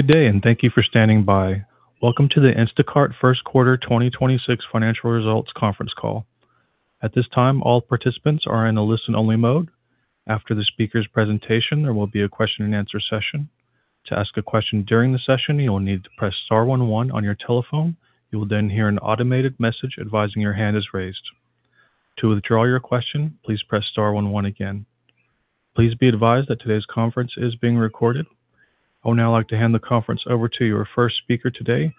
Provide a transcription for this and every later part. Good day, and thank you for standing by. Welcome to the Instacart first quarter 2026 financial results conference call. At this time, all participants are in a listen only mode. After the speakers presentation, there would be a question and answer session. To ask a question during the session, you will need to press star one one on you telephone. You will then hear an automated message advising your hand is raised. To withdraw your question, please star one again. Please be advised that today's conference is being recorded. For now, I'd like I to hand the conference over to our first speaker today,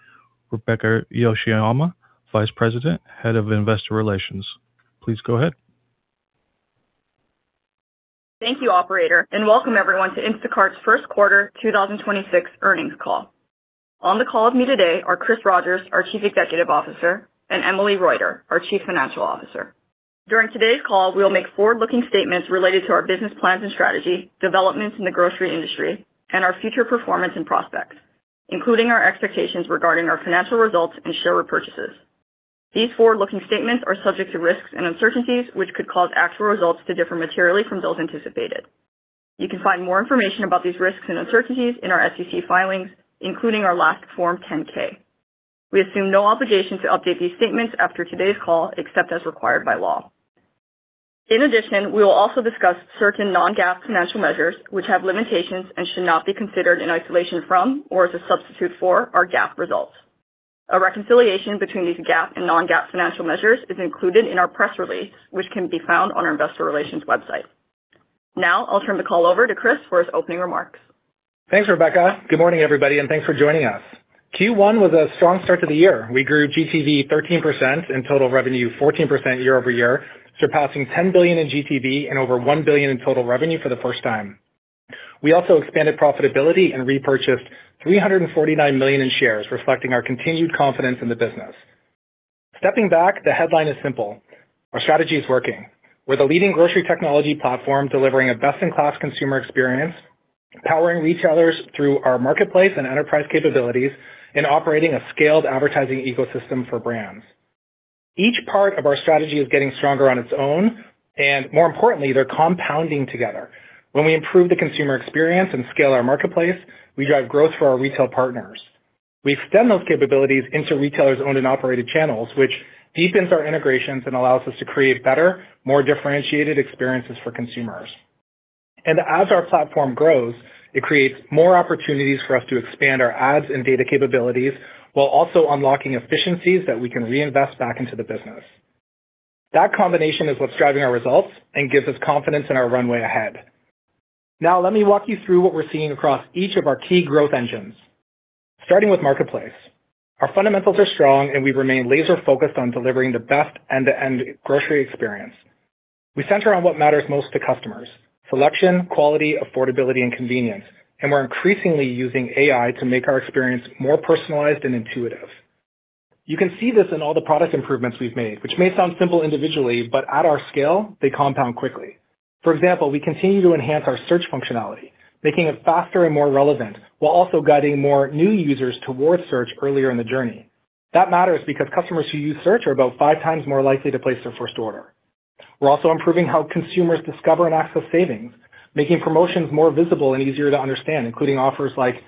Rebecca Yoshiyama, Vice President, Head of Investor Relations. Please go ahead. Thank you, operator, and welcome everyone to Instacart's first quarter 2026 earnings call. On the call with me today are Chris Rogers, our Chief Executive Officer, and Emily Reuter, our Chief Financial Officer. During today's call, we'll make forward-looking statements related to our business plans and strategy, developments in the grocery industry, and our future performance and prospects, including our expectations regarding our financial results and share repurchases. These forward-looking statements are subject to risks and uncertainties which could cause actual results to differ materially from those anticipated. You can find more information about these risks and uncertainties in our SEC filings, including our last Form 10-K. We assume no obligation to update these statements after today's call, except as required by law. In addition, we will also discuss certain non-GAAP financial measures which have limitations and should not be considered in isolation from or as a substitute for our GAAP results. A reconciliation between these GAAP and non-GAAP financial measures is included in our press release, which can be found on our investor relations website. Now, I'll turn the call over to Chris for his opening remarks. Thanks, Rebecca. Good morning, everybody, and thanks for joining us. Q1 was a strong start to the year. We grew GTV 13% and total revenue 14% year-over-year, surpassing $10 billion in GTV and over $1 billion in total revenue for the first time. We also expanded profitability and repurchased $349 million in shares, reflecting our continued confidence in the business. Stepping back, the headline is simple: Our strategy is working. We're the leading grocery technology platform, delivering a best-in-class consumer experience, empowering retailers through our marketplace and enterprise capabilities, and operating a scaled advertising ecosystem for brands. Each part of our strategy is getting stronger on its own, and more importantly, they're compounding together. When we improve the consumer experience and scale our marketplace, we drive growth for our retail partners. We extend those capabilities into retailers' owned and operated channels, which deepens our integrations and allows us to create better, more differentiated experiences for consumers. And as our platform grows, it creates more opportunities for us to expand our ads and data capabilities while also unlocking efficiencies that we can reinvest back into the business. That combination is what's driving our results and gives us confidence in our runway ahead. Now, let me walk you through what we're seeing across each of our key growth engines. Starting with marketplace. Our fundamentals are strong, and we remain laser-focused on delivering the best end-to-end grocery experience. We center on what matters most to customers: selection, quality, affordability, and convenience, and we're increasingly using AI to make our experience more personalized and intuitive. You can see this in all the product improvements we've made, which may sound simple individually, but at our scale, they compound quickly. For example, we continue to enhance our search functionality, making it faster and more relevant while also guiding more new users towards search earlier in the journey. That matters because customers who use search are about five times more likely to place their first order. We're also improving how consumers discover and access savings, making promotions more visible and easier to understand, including offers like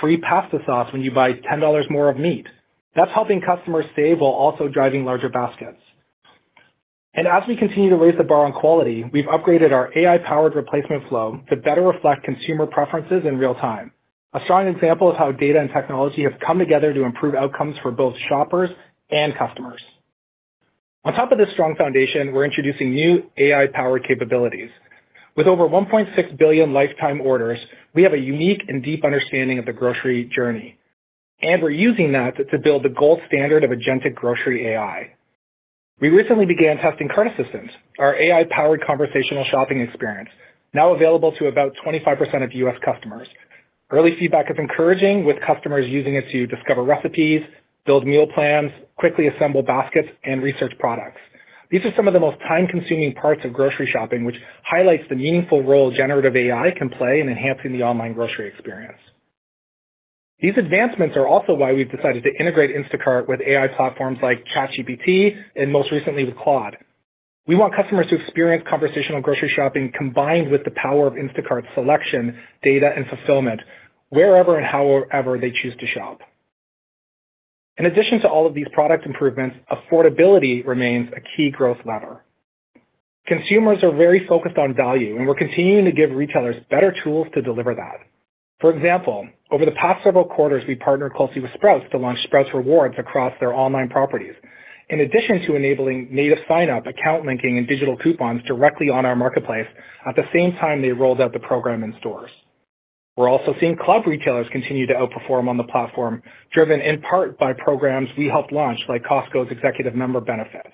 free pasta sauce when you buy $10 more of meat. That's helping customers save while also driving larger baskets. As we continue to raise the bar on quality, we've upgraded our AI-powered replacement flow to better reflect consumer preferences in real time. A strong example of how data and technology have come together to improve outcomes for both shoppers and customers. On top of this strong foundation, we're introducing new AI-powered capabilities. With over 1.6 billion lifetime orders, we have a unique and deep understanding of the grocery journey, and we're using that to build the gold standard of agentic grocery AI. We recently began testing Cart Assistant, our AI-powered conversational shopping experience, now available to about 25% of U.S. customers. Early feedback is encouraging, with customers using it to discover recipes, build meal plans, quickly assemble baskets, and research products. These are some of the most time-consuming parts of grocery shopping, which highlights the meaningful role generative AI can play in enhancing the online grocery experience. These advancements are also why we've decided to integrate Instacart with AI platforms like ChatGPT and most recently with Claude. We want customers to experience conversational grocery shopping combined with the power of Instacart selection, data, and fulfillment wherever and however they choose to shop. In addition to all of these product improvements, affordability remains a key growth lever. Consumers are very focused on value, and we're continuing to give retailers better tools to deliver that. For example, over the past several quarters, we partnered closely with Sprouts to launch Sprouts Rewards across their online properties. In addition to enabling native sign-up, account linking, and digital coupons directly on our marketplace, at the same time, they rolled out the program in stores. We're also seeing club retailers continue to outperform on the platform, driven in part by programs we helped launch, like Costco's Executive Member Benefit.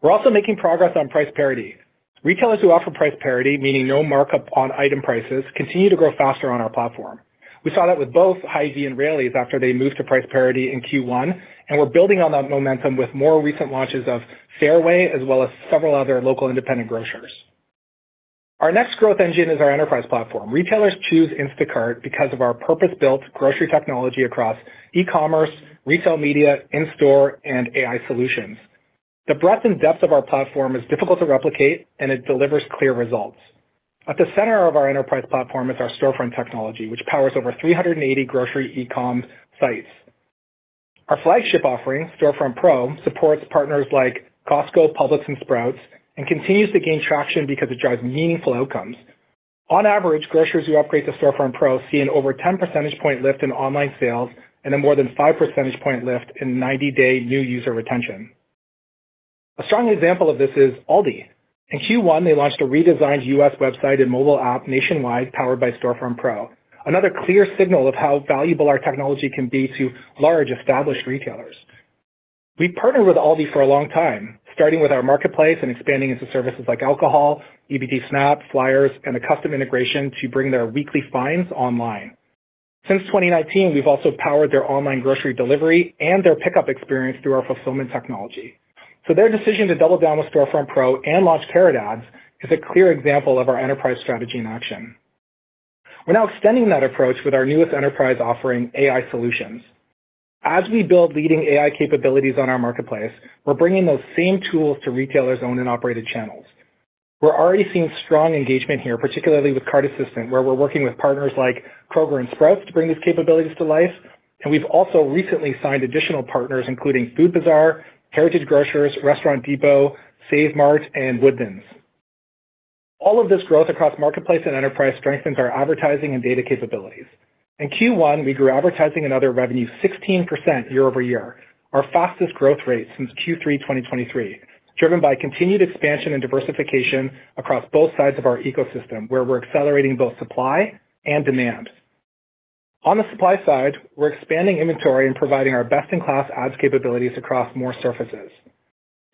We're also making progress on price parity. Retailers who offer price parity, meaning no markup on item prices, continue to grow faster on our platform. We saw that with both Hy-Vee and Raley's after they moved to price parity in Q1, and we're building on that momentum with more recent launches of Fareway as well as several other local independent grocers. Our next growth engine is our enterprise platform. Retailers choose Instacart because of our purpose-built grocery technology across e-commerce, retail media, in-store, and AI Solutions. The breadth and depth of our platform is difficult to replicate, and it delivers clear results. At the center of our enterprise platform is our Storefront technology, which powers over 380 grocery e-com sites. Our flagship offering, Storefront Pro, supports partners like Costco, Publix, and Sprouts, and continues to gain traction because it drives meaningful outcomes. On average, grocers who upgrade to Storefront Pro see an over 10 percentage point lift in online sales and a more than 5 percentage point lift in 90-day new user retention. A strong example of this is ALDI. In Q1, they launched a redesigned U.S. website and mobile app nationwide powered by Storefront Pro, another clear signal of how valuable our technology can be to large established retailers. We've partnered with ALDI for a long time, starting with our marketplace and expanding into services like alcohol, EBT SNAP, flyers, and a custom integration to bring their weekly finds online. Since 2019, we've also powered their online grocery delivery and their pickup experience through our fulfillment technology. Their decision to double down with Storefront Pro and launch Carrot Ads is a clear example of our enterprise strategy in action. We're now extending that approach with our newest enterprise offering, AI Solutions. As we build leading AI capabilities on our marketplace, we're bringing those same tools to retailers' owned and operated channels. We're already seeing strong engagement here, particularly with Cart Assistant, where we're working with partners like Kroger and Sprouts to bring these capabilities to life. We've also recently signed additional partners, including Food Bazaar, Heritage Grocers, Restaurant Depot, Save Mart, and Woodman's. All of this growth across marketplace and enterprise strengthens our advertising and data capabilities. In Q1, we grew advertising and other revenue 16% year-over-year, our fastest growth rate since Q3 2023, driven by continued expansion and diversification across both sides of our ecosystem, where we're accelerating both supply and demand. On the supply side, we're expanding inventory and providing our best-in-class ads capabilities across more surfaces.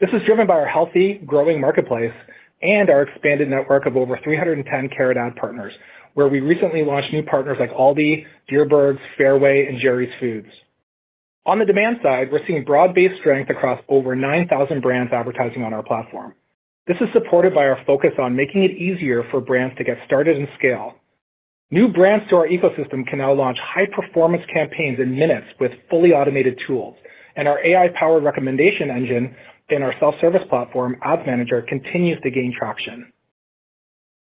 This is driven by our healthy, growing marketplace and our expanded network of over 310 Carrot Ad partners, where we recently launched new partners like ALDI, Dierbergs, Fairway, and Jerry's Foods. On the demand side, we're seeing broad-based strength across over 9,000 brands advertising on our platform. This is supported by our focus on making it easier for brands to get started and scale. New brands to our ecosystem can now launch high-performance campaigns in minutes with fully automated tools, and our AI-powered recommendation engine in our self-service platform, Ads Manager, continues to gain traction.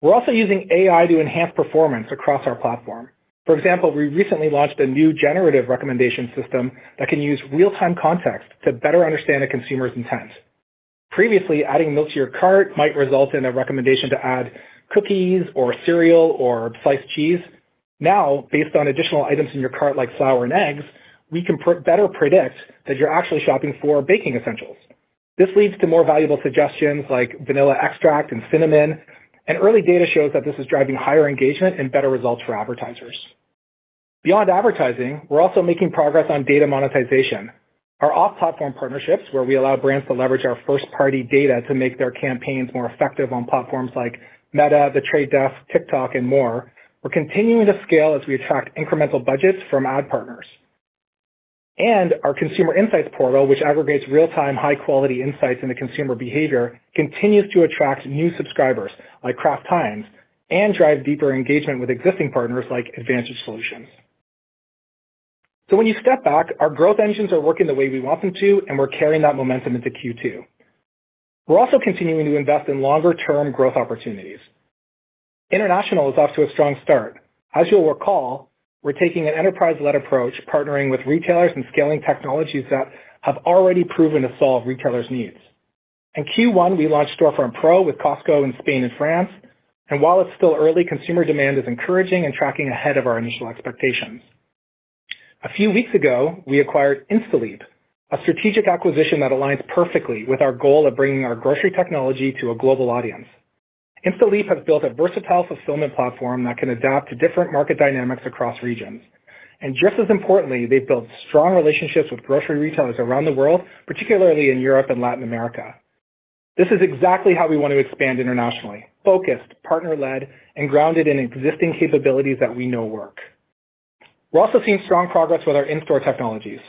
We're also using AI to enhance performance across our platform. For example, we recently launched a new generative recommendation system that can use real-time context to better understand a consumer's intent. Previously, adding milk to your cart might result in a recommendation to add cookies or cereal or sliced cheese. Now, based on additional items in your cart, like flour and eggs, we can better predict that you're actually shopping for baking essentials. This leads to more valuable suggestions like vanilla extract and cinnamon, and early data shows that this is driving higher engagement and better results for advertisers. Beyond advertising, we're also making progress on data monetization. Our off-platform partnerships, where we allow brands to leverage our first-party data to make their campaigns more effective on platforms like Meta, The Trade Desk, TikTok, and more, we're continuing to scale as we attract incremental budgets from ad partners. Our Consumer Insights Portal, which aggregates real-time, high-quality insights into consumer behavior, continues to attract new subscribers, like Kraft Heinz, and drive deeper engagement with existing partners like Advantage Solutions. When you step back, our growth engines are working the way we want them to, and we're carrying that momentum into Q2. We're also continuing to invest in longer-term growth opportunities. International is off to a strong start. As you'll recall, we're taking an enterprise-led approach, partnering with retailers and scaling technologies that have already proven to solve retailers' needs. In Q1, we launched Storefront Pro with Costco in Spain and France. While it's still early, consumer demand is encouraging and tracking ahead of our initial expectations. A few weeks ago, we acquired Instaleap, a strategic acquisition that aligns perfectly with our goal of bringing our grocery technology to a global audience. Instaleap has built a versatile fulfillment platform that can adapt to different market dynamics across regions. Just as importantly, they've built strong relationships with grocery retailers around the world, particularly in Europe and Latin America. This is exactly how we want to expand internationally: focused, partner-led, and grounded in existing capabilities that we know work. We're also seeing strong progress with our in-store technologies.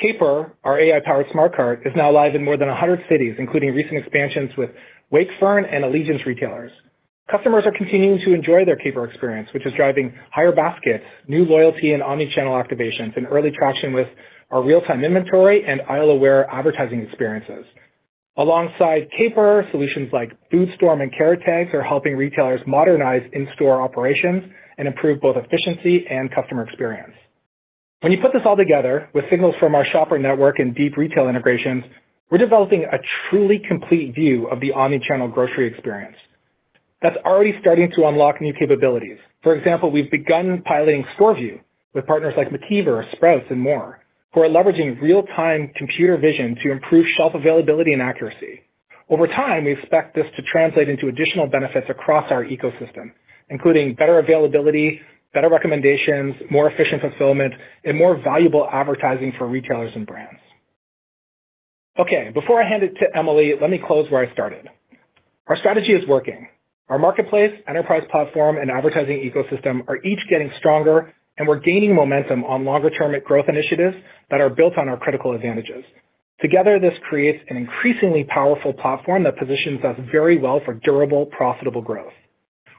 Caper, our AI-powered smart cart, is now live in more than 100 cities, including recent expansions with Wakefern and Allegiance retailers. Customers are continuing to enjoy their Caper experience, which is driving higher baskets, new loyalty and omnichannel activations, and early traction with our real-time inventory and aisle-aware advertising experiences. Alongside Caper, solutions like FoodStorm and Carrot Tags are helping retailers modernize in-store operations and improve both efficiency and customer experience. When you put this all together with signals from our shopper network and deep retail integrations, we're developing a truly complete view of the omnichannel grocery experience. That's already starting to unlock new capabilities. For example, we've begun piloting Store View with partners like Meijer, Sprouts Farmers Market, and more, who are leveraging real-time computer vision to improve shelf availability and accuracy. Over time, we expect this to translate into additional benefits across our ecosystem, including better availability, better recommendations, more efficient fulfillment, and more valuable advertising for retailers and brands. Before I hand it to Emily, let me close where I started. Our strategy is working. Our marketplace, enterprise platform, and advertising ecosystem are each getting stronger, and we're gaining momentum on longer-term growth initiatives that are built on our critical advantages. Together, this creates an increasingly powerful platform that positions us very well for durable, profitable growth.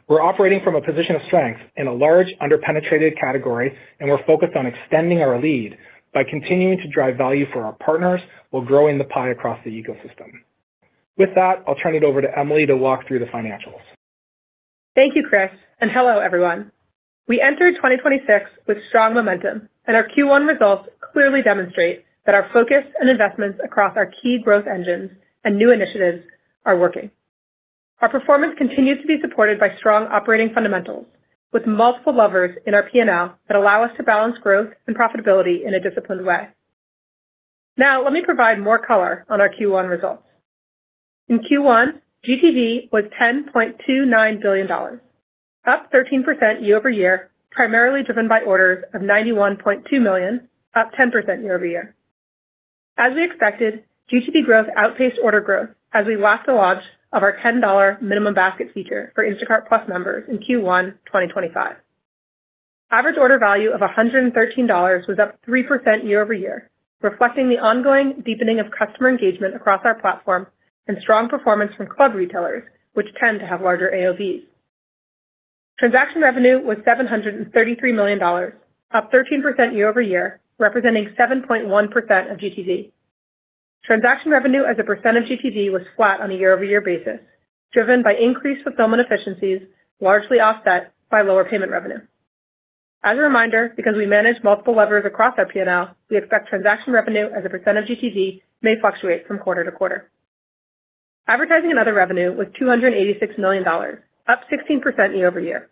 We're operating from a position of strength in a large under-penetrated category, and we're focused on extending our lead by continuing to drive value for our partners while growing the pie across the ecosystem. With that, I'll turn it over to Emily to walk through the financials. Thank you, Chris, and hello, everyone. We entered 2026 with strong momentum, our Q1 results clearly demonstrate that our focus and investments across our key growth engines and new initiatives are working. Our performance continues to be supported by strong operating fundamentals with multiple levers in our P&L that allow us to balance growth and profitability in a disciplined way. Now, let me provide more color on our Q1 results. In Q1, GTV was $10.29 billion, up 13% year-over-year, primarily driven by orders of 91.2 million, up 10% year-over-year. As we expected, GTV growth outpaced order growth as we lacked the launch of our $10 minimum basket feature for Instacart+ members in Q1 2025. Average order value of $113 was up 3% year-over-year, reflecting the ongoing deepening of customer engagement across our platform and strong performance from club retailers, which tend to have larger AOV. Transaction revenue was $733 million, up 13% year-over-year, representing 7.1% of GTV. Transaction revenue as a percent of GTV was flat on a year-over-year basis, driven by increased fulfillment efficiencies, largely offset by lower payment revenue. As a reminder, because we manage multiple levers across our P&L, we expect transaction revenue as a percent of GTV may fluctuate from quarter to quarter. Advertising and other revenue was $286 million, up 16% year-over-year.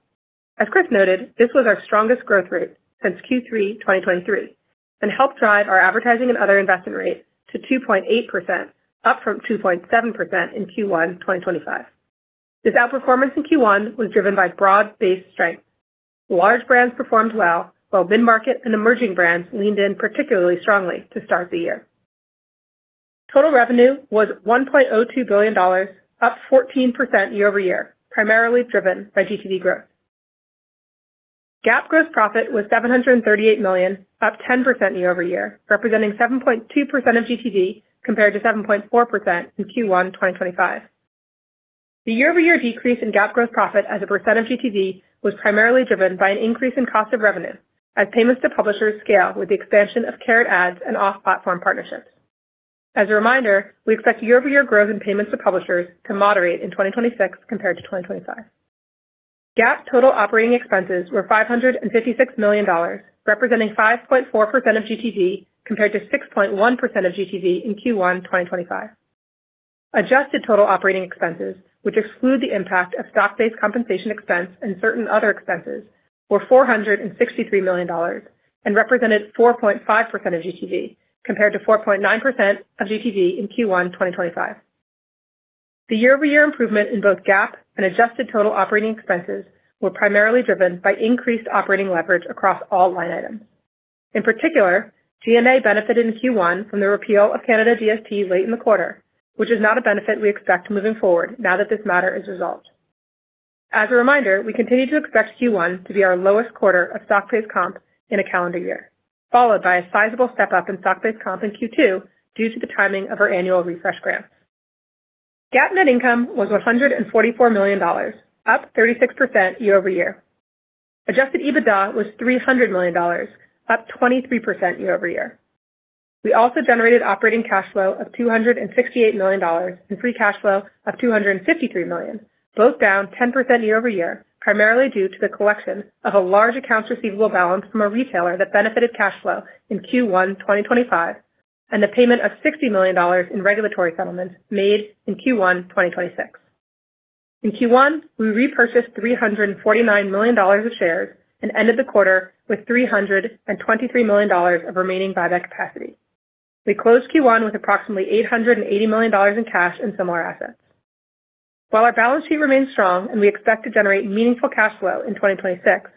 As Chris noted, this was our strongest growth rate since Q3 2023, and helped drive our advertising and other investment rate to 2.8%, up from 2.7% in Q1 2025. This outperformance in Q1 was driven by broad-based strength. Large brands performed well, while mid-market and emerging brands leaned in particularly strongly to start the year. Total revenue was $1.02 billion, up 14% year-over-year, primarily driven by GTV growth. GAAP gross profit was $738 million, up 10% year-over-year, representing 7.2% of GTV compared to 7.4% in Q1 2025. The year-over-year decrease in GAAP gross profit as a percent of GTV was primarily driven by an increase in cost of revenue as payments to publishers scale with the expansion of Carrot Ads and off-platform partnerships. As a reminder, we expect year-over-year growth in payments to publishers to moderate in 2026 compared to 2025. GAAP total operating expenses were $556 million, representing 5.4% of GTV compared to 6.1% of GTV in Q1 2025. Adjusted total operating expenses, which exclude the impact of stock-based compensation expense and certain other expenses, were $463 million and represented 4.5% of GTV compared to 4.9% of GTV in Q1 2025. The year-over-year improvement in both GAAP and adjusted total operating expenses were primarily driven by increased operating leverage across all line items. In particular, G&A benefited in Q1 from the repeal of Canada DST late in the quarter, which is not a benefit we expect moving forward now that this matter is resolved. As a reminder, we continue to expect Q1 to be our lowest quarter of stock-based comp in a calendar year, followed by a sizable step-up in stock-based comp in Q2 due to the timing of our annual refresh grant. GAAP net income was $144 million, up 36% year-over-year. Adjusted EBITDA was $300 million, up 23% year-over-year. We also generated operating cash flow of $268 million and free cash flow of $253 million, both down 10% year-over-year, primarily due to the collection of a large accounts receivable balance from a retailer that benefited cash flow in Q1 2025, and the payment of $60 million in regulatory settlements made in Q1 2026. In Q1, we repurchased $349 million of shares and ended the quarter with $323 million of remaining buyback capacity. We closed Q1 with approximately $880 million in cash and similar assets. While our balance sheet remains strong and we expect to generate meaningful cash flow in 2026,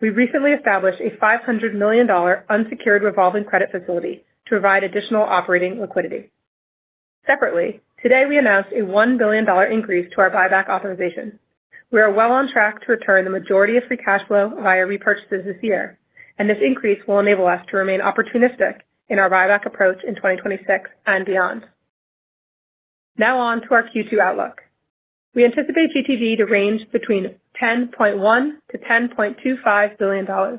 we recently established a $500 million unsecured revolving credit facility to provide additional operating liquidity. Separately, today we announced a $1 billion increase to our buyback authorization. We are well on track to return the majority of free cash flow via repurchases this year, and this increase will enable us to remain opportunistic in our buyback approach in 2026 and beyond. Now on to our Q2 outlook. We anticipate GTV to range between $10.1 billion-$10.25 billion.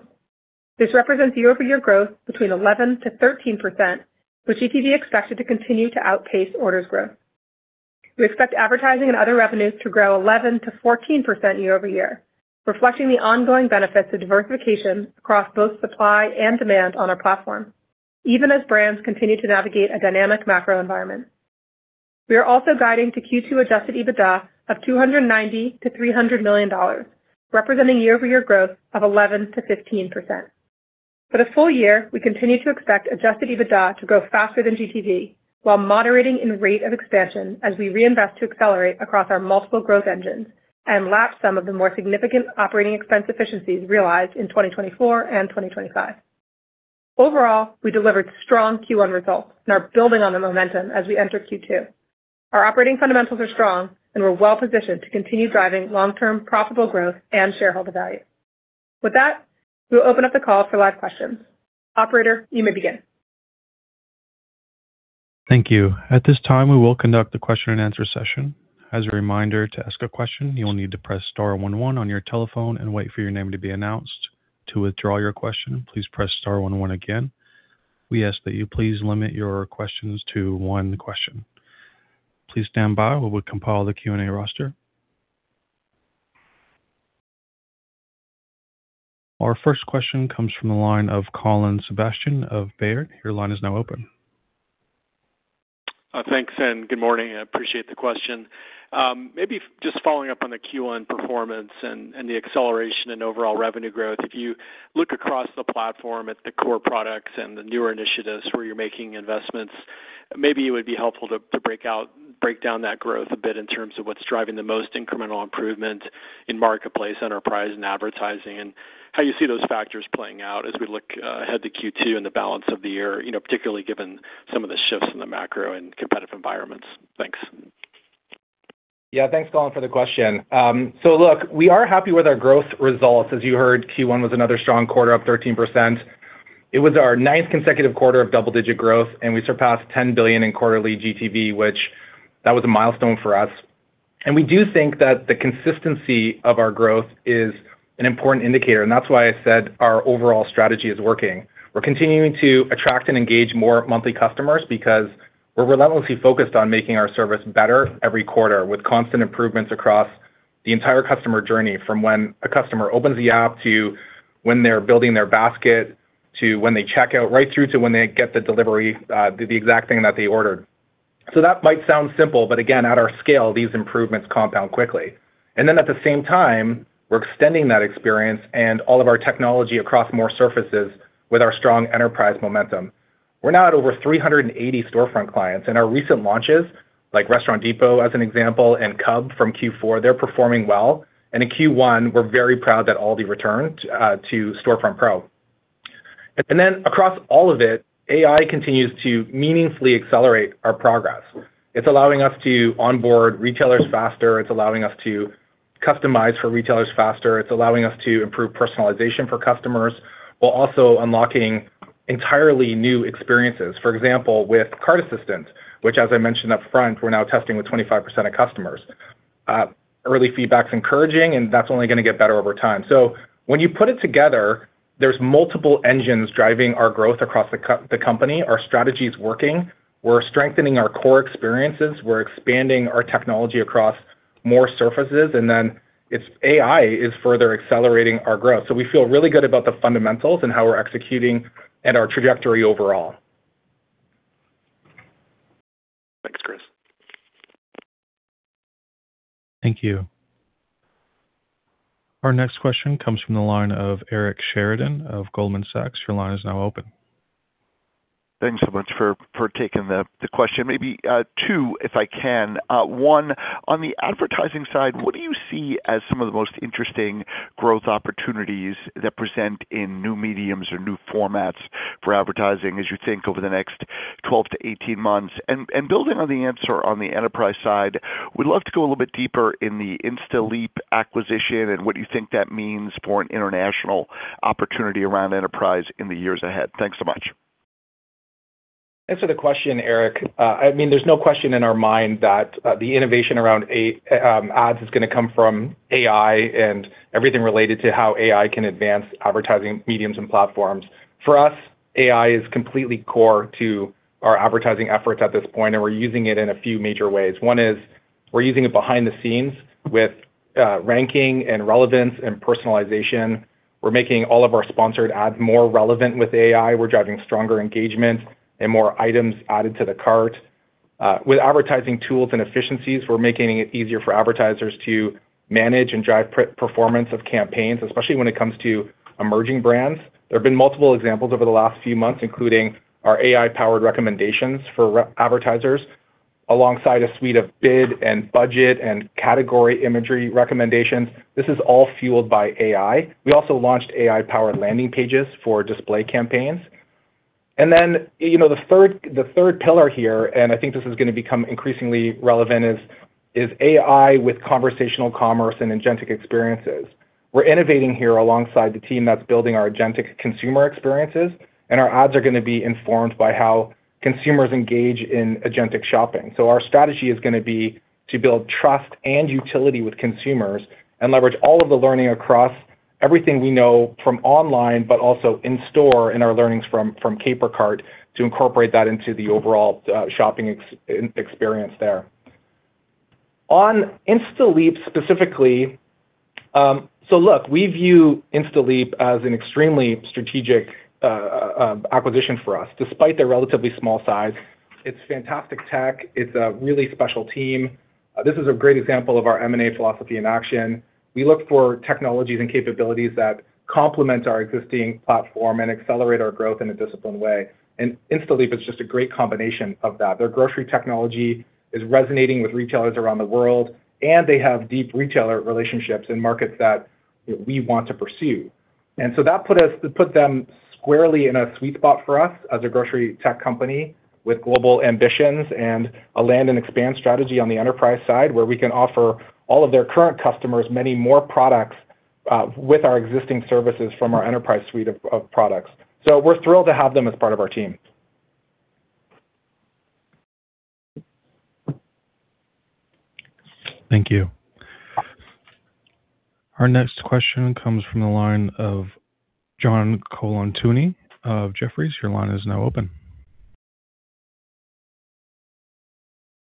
This represents year-over-year growth between 11%-13%, with GTV expected to continue to outpace orders growth. We expect advertising and other revenues to grow 11%-14% year-over-year, reflecting the ongoing benefits of diversification across both supply and demand on our platform, even as brands continue to navigate a dynamic macro environment. We are also guiding to Q2 adjusted EBITDA of $290 million-$300 million, representing year-over-year growth of 11%-15%. For the full year, we continue to expect adjusted EBITDA to grow faster than GTV while moderating in rate of expansion as we reinvest to accelerate across our multiple growth engines and lap some of the more significant operating expense efficiencies realized in 2024 and 2025. Overall, we delivered strong Q1 results and are building on the momentum as we enter Q2. Our operating fundamentals are strong, and we're well-positioned to continue driving long-term profitable growth and shareholder value. With that, we'll open up the call for live questions. Operator, you may begin. Thank you. At this time, we will conduct the question-and-answer session. As a reminder, to ask a question, you need to press star one one on your telephone and wait for your name to be announce. To withdraw your question, please star one again. We ask that you please limit your questions to one question. Please stand by while we compile the Q&A roster. Our first question comes from the line of Colin Sebastian of Baird. Your line is now open. Thanks, and good morning. I appreciate the question. Maybe just following up on the Q1 performance and the acceleration in overall revenue growth. If you look across the platform at the core products and the newer initiatives where you're making investments, maybe it would be helpful to break down that growth a bit in terms of what's driving the most incremental improvement in marketplace, enterprise and advertising, and how you see those factors playing out as we look ahead to Q2 and the balance of the year, you know, particularly given some of the shifts in the macro and competitive environments. Thanks. Yeah. Thanks, Colin, for the question. So look, we are happy with our growth results. As you heard, Q1 was another strong quarter of 13%. It was our ninth consecutive quarter of double-digit growth, and we surpassed 10 billion in quarterly GTV, which that was a milestone for us. We do think that the consistency of our growth is an important indicator, and that's why I said our overall strategy is working. We're continuing to attract and engage more monthly customers because we're relentlessly focused on making our service better every quarter with constant improvements across the entire customer journey, from when a customer opens the app to when they're building their basket to when they check out, right through to when they get the delivery, the exact thing that they ordered. That might sound simple, but again, at our scale, these improvements compound quickly. And at the same time, we're extending that experience and all of our technology across more surfaces with our strong enterprise momentum. We're now at over 380 storefront clients, and our recent launches like Restaurant Depot, as an example, and Cub from Q4, they're performing well. In Q1, we're very proud that ALDI returned to Storefront Pro. Across all of it, AI continues to meaningfully accelerate our progress. It's allowing us to onboard retailers faster. It's allowing us to customize for retailers faster. It's allowing us to improve personalization for customers while also unlocking entirely new experiences. For example, with Cart Assistant, which as I mentioned upfront, we're now testing with 25% of customers. Early feedback's encouraging, and that's only gonna get better over time. So when you put it together, there's multiple engines driving our growth across the company. Our strategy is working. We're strengthening our core experiences. We're expanding our technology across more surfaces, and then it's AI is further accelerating our growth. We feel really good about the fundamentals and how we're executing and our trajectory overall. Thanks, Chris. Thank you. Our next question comes from the line of Eric Sheridan of Goldman Sachs. Your line is now open. Thanks so much for taking the question. Maybe two, if I can. One, on the advertising side, what do you see as some of the most interesting growth opportunities that present in new mediums or new formats for advertising as you think over the next 12-18 months? Building on the answer on the enterprise side, we'd love to go a little bit deeper in the Instaleap acquisition and what you think that means for an international opportunity around enterprise in the years ahead. Thanks so much. Thanks for the question, Eric. I mean, there's no question in our mind that the innovation around ads is gonna come from AI and everything related to how AI can advance advertising mediums and platforms. For us, AI is completely core to our advertising efforts at this point, and we're using it in a few major ways. One is, we're using it behind the scenes with ranking and relevance and personalization. We're making all of our sponsored ads more relevant with AI. We're driving stronger engagement and more items added to the cart. With advertising tools and efficiencies, we're making it easier for advertisers to manage and drive performance of campaigns, especially when it comes to emerging brands. There have been multiple examples over the last few months, including our AI-powered recommendations for advertisers alongside a suite of bid and budget and category imagery recommendations. This is all fueled by AI. We also launched AI-powered landing pages for display campaigns. You know, the third pillar here, and I think this is gonna become increasingly relevant, is AI with conversational commerce and agentic experiences. We're innovating here alongside the team that's building our agentic consumer experiences, and our ads are gonna be informed by how consumers engage in agentic shopping. So our strategy is gonna be to build trust and utility with consumers and leverage all of the learning across everything we know from online, but also in store in our learnings from Caper Cart to incorporate that into the overall shopping experience there. On Instaleap specifically, look, we view Instaleap as an extremely strategic acquisition for us, despite their relatively small size. It's fantastic tech. It's a really special team. This is a great example of our M&A philosophy in action. We look for technologies and capabilities that complement our existing platform and accelerate our growth in a disciplined way. Instaleap is just a great combination of that. Their grocery technology is resonating with retailers around the world, and they have deep retailer relationships in markets that we want to pursue. That put them squarely in a sweet spot for us as a grocery tech company with global ambitions and a land and expand strategy on the enterprise side where we can offer all of their current customers many more products with our existing services from our enterprise suite of products. We're thrilled to have them as part of our team. Thank you. Our next question comes from the line of John Colantuoni of Jefferies. Your line is now open.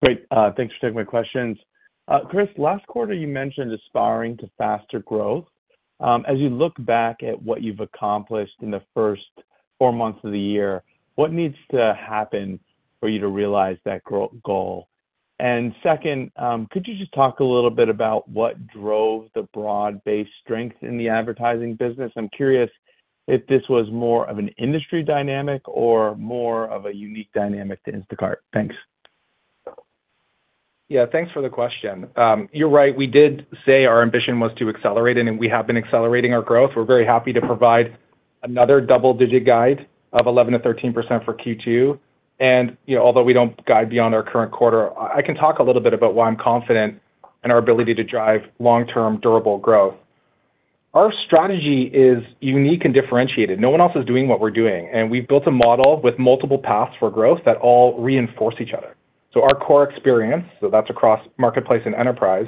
Great. Thanks for taking my questions. Chris, last quarter you mentioned aspiring to faster growth. As you look back at what you've accomplished in the first four months of the year, what needs to happen for you to realize that goal? Second, could you just talk a little bit about what drove the broad-based strength in the advertising business? I'm curious if this was more of an industry dynamic or more of a unique dynamic to Instacart. Thanks. Thanks for the question. You're right, we did say our ambition was to accelerate, we have been accelerating our growth. We're very happy to provide another double-digit guide of 11%-13% for Q2. You know, although we don't guide beyond our current quarter, I can talk a little bit about why I'm confident in our ability to drive long-term durable growth. Our strategy is unique and differentiated. No one else is doing what we're doing, we've built a model with multiple paths for growth that all reinforce each other. Our core experience, that's across marketplace and enterprise,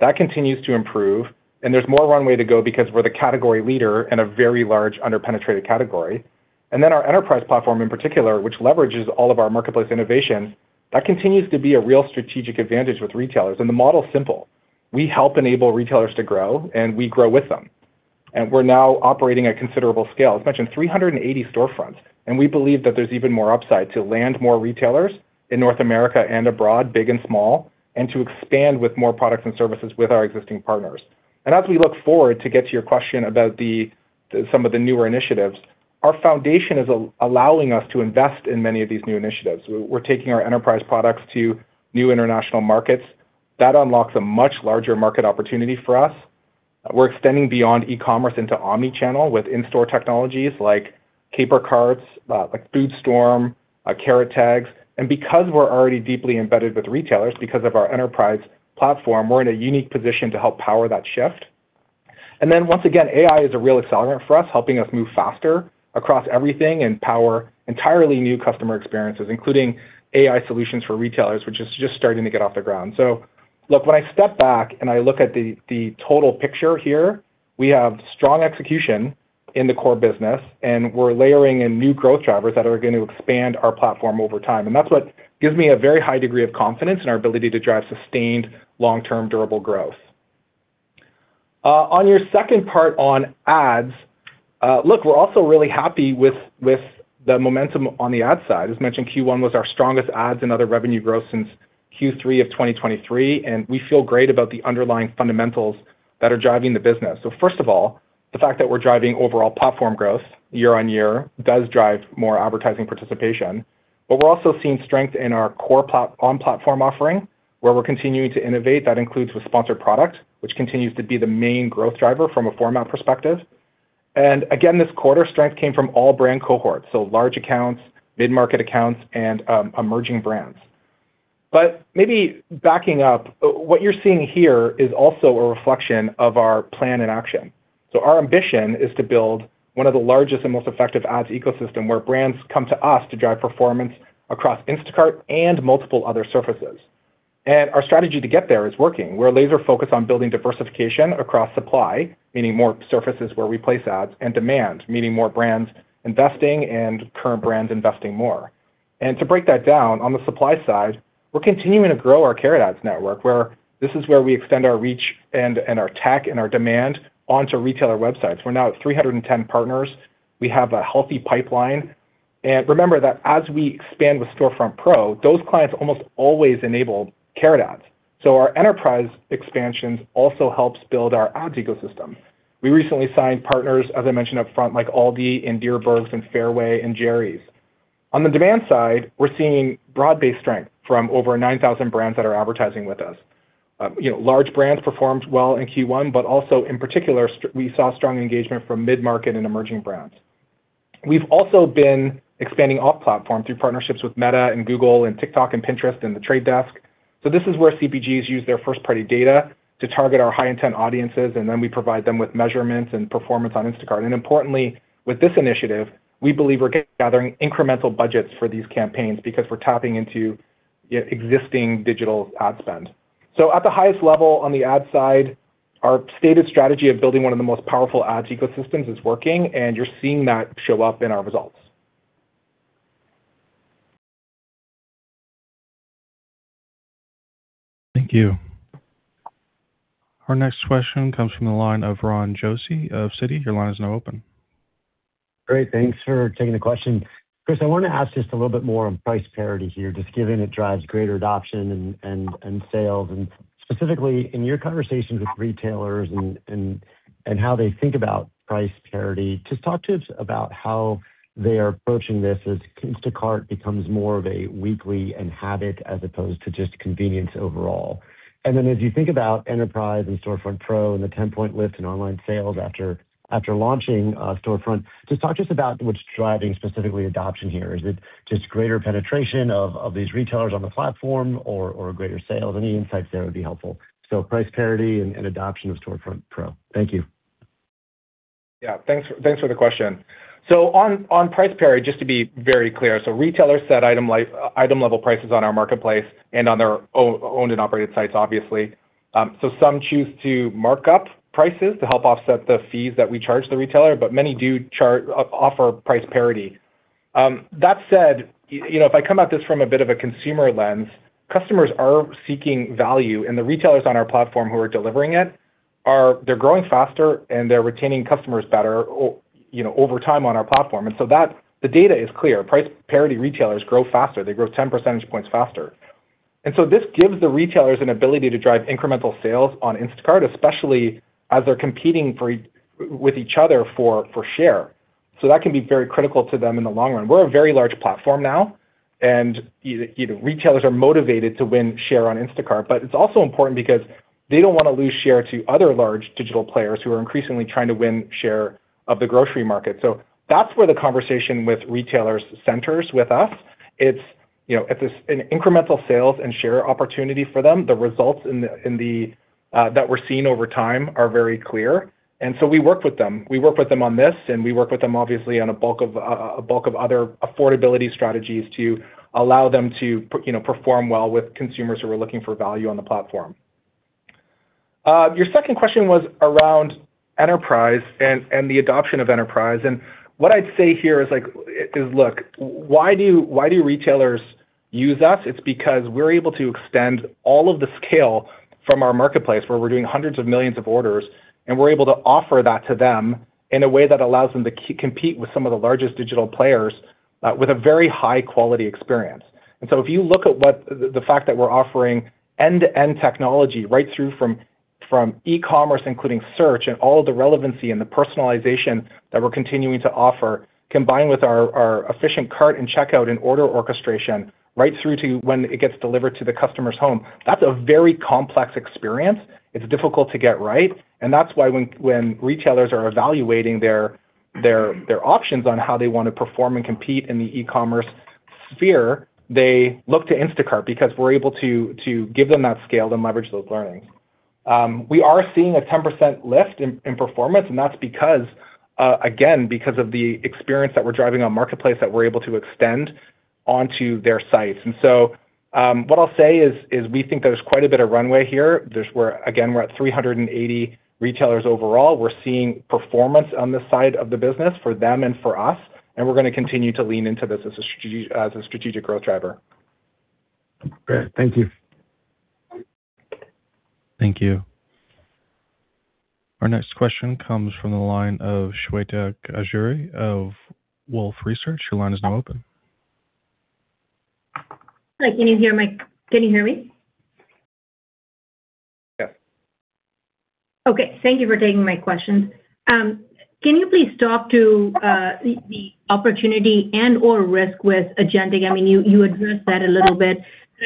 that continues to improve. There's more runway to go because we're the category leader in a very large under-penetrated category. Our enterprise platform in particular, which leverages all of our marketplace innovation, that continues to be a real strategic advantage with retailers. The model is simple. We help enable retailers to grow, and we grow with them. We're now operating at considerable scale. I mentioned 380 storefronts, and we believe that there's even more upside to land more retailers in North America and abroad, big and small, and to expand with more products and services with our existing partners. As we look forward, to get to your question about the newer initiatives, our foundation is allowing us to invest in many of these new initiatives. We're taking our enterprise products to new international markets. That unlocks a much larger market opportunity for us. We're extending beyond e-commerce into omnichannel with in-store technologies like Caper Carts, like FoodStorm, Carrot Tags. Because we're already deeply embedded with retailers because of our enterprise platform, we're in a unique position to help power that shift. Then once again, AI is a real accelerant for us, helping us move faster across everything and power entirely new customer experiences, including AI Solutions for retailers, which is just starting to get off the ground. So look, when I step back and I look at the total picture here, we have strong execution in the core business, and we're layering in new growth drivers that are gonna expand our platform over time. That's what gives me a very high degree of confidence in our ability to drive sustained long-term durable growth. On your second part on ads, look, we're also really happy with the momentum on the ad side. As mentioned, Q1 was our strongest ads and other revenue growth since Q3 of 2023, and we feel great about the underlying fundamentals that are driving the business. First of all, the fact that we're driving overall platform growth year-on-year does drive more advertising participation. We're also seeing strength in our core on-platform offering, where we're continuing to innovate. That includes with sponsored product, which continues to be the main growth driver from a format perspective. Again, this quarter, strength came from all brand cohorts, so large accounts, mid-market accounts, and emerging brands. Maybe backing up, what you're seeing here is also a reflection of our plan in action. Our ambition is to build one of the largest and most effective Ads ecosystem where brands come to us to drive performance across Instacart and multiple other surfaces. Our strategy to get there is working. We're laser focused on building diversification across supply, meaning more surfaces where we place ads, and demand, meaning more brands investing and current brands investing more. To break that down, on the supply side, we're continuing to grow our Carrot Ads network, where this is where we extend our reach and our tech and our demand onto retailer websites. We're now at 310 partners. We have a healthy pipeline. Remember that as we expand with Storefront Pro, those clients almost always enable Carrot Ads. Our enterprise expansions also helps build our Ads ecosystem. We recently signed partners, as I mentioned up front, like ALDI and Dierbergs and Fairway, and Jerry's. On the demand side, we're seeing broad-based strength from over 9,000 brands that are advertising with us. You know, large brands performed well in Q1, but also in particular, we saw strong engagement from mid-market and emerging brands. We've also been expanding off-platform through partnerships with Meta and Google and TikTok and Pinterest and The Trade Desk. This is where CPGs use their first-party data to target our high-intent audiences, and then we provide them with measurements and performance on Instacart. Importantly, with this initiative, we believe we're gathering incremental budgets for these campaigns because we're tapping into, you know, existing digital ad spend. At the highest level on the ad side, our stated strategy of building one of the most powerful ads ecosystems is working, and you're seeing that show up in our results. Thank you. Our next question comes from the line of Ron Josey of Citi. Great. Thanks for taking the question. Chris, I want to ask just a little bit more on price parity here, just given it drives greater adoption and sales. Specifically, in your conversations with retailers and how they think about price parity, just talk to us about how they are approaching this as Instacart becomes more of a weekly and habit as opposed to just convenience overall. And then as you think about enterprise and Storefront Pro and the 10-point lift in online sales after launching Storefront, just talk to us about what's driving specifically adoption here. Is it just greater penetration of these retailers on the platform or greater sales? Any insights there would be helpful. Price parity and adoption of Storefront Pro. Thank you. Yeah. Thanks for the question. On, on price parity, just to be very clear, retailers set item level prices on our marketplace and on their own, owned and operated sites, obviously. Some choose to mark up prices to help offset the fees that we charge the retailer, but many do offer price parity. That said, you know, if I come at this from a bit of a consumer lens, customers are seeking value, and the retailers on our platform who are delivering it, they're growing faster, and they're retaining customers better over time on our platform. The data is clear. Price parity retailers grow faster. They grow 10 percentage points faster. The data is clear. This gives the retailers an ability to drive incremental sales on Instacart, especially as they're competing with each other for share. That can be very critical to them in the long run. We're a very large platform now, and you know, retailers are motivated to win share on Instacart. It's also important because they don't want to lose share to other large digital players who are increasingly trying to win share of the grocery market. That's where the conversation with retailers centers with us. It's, you know, it's an incremental sales and share opportunity for them. The results in the that we're seeing over time are very clear. We work with them. We work with them on this, and we work with them, obviously, on a bulk of other affordability strategies to allow them to, you know, perform well with consumers who are looking for value on the platform. Your second question was around enterprise and the adoption of enterprise. What I'd say here is, like, is look, why do retailers use us? It's because we're able to extend all of the scale from our marketplace, where we're doing hundreds of millions of orders, and we're able to offer that to them in a way that allows them to compete with some of the largest digital players, with a very high quality experience. If you look at the fact that we're offering end-to-end technology right through from e-commerce, including search and all of the relevancy and the personalization that we're continuing to offer, combined with our efficient cart and checkout and order orchestration right through to when it gets delivered to the customer's home, that's a very complex experience. It's difficult to get right. That's why when retailers are evaluating their options on how they want to perform and compete in the e-commerce sphere, they look to Instacart because we're able to give them that scale to leverage those learnings. We are seeing a 10% lift in performance, and that's because again, because of the experience that we're driving on marketplace that we're able to extend onto their sites. So, what I'll say is, we think there's quite a bit of runway here. Again, we're at 380 retailers overall. We're seeing performance on this side of the business for them and for us, and we're going to continue to lean into this as a strategic growth driver. Great. Thank you. Thank you. Our next question comes from the line of Shweta Khajuria of Wolfe Research. Your line is now open. Hi, can you hear me? Yes. Okay. Thank you for taking my question. Can you please talk to the opportunity and/or risk with agentic? I mean, you addressed that a little bit.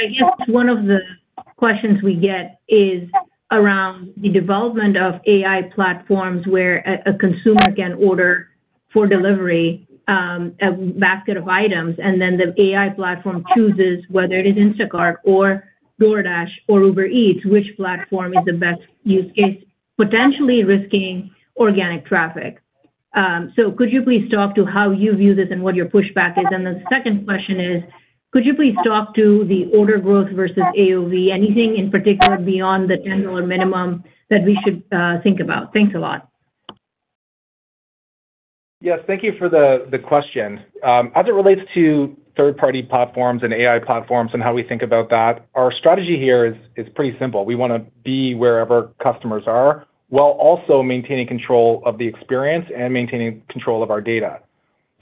I guess one of the questions we get is around the development of AI platforms where a consumer can order for delivery a basket of items, and then the AI platform chooses whether it is Instacart or DoorDash or Uber Eats, which platform is the best use case, potentially risking organic traffic. Could you please talk to how you view this and what your pushback is? The second question is, could you please talk to the order growth versus AOV, anything in particular beyond the $10 minimum that we should think about? Thanks a lot. Yes. Thank you for the question. As it relates to third-party platforms and AI platforms and how we think about that, our strategy here is pretty simple. We want to be wherever customers are, while also maintaining control of the experience and maintaining control of our data.